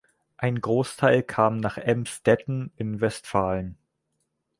Ein Großteil kam nach Emsdetten in Westfalen.